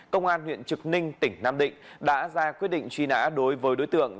công an huyện trực ninh tỉnh nam định đã ra quyết định truy nã đối với đối tượng